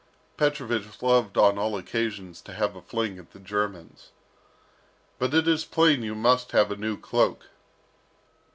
Petrovich loved on all occasions to have a fling at the Germans. "But it is plain you must have a new cloak."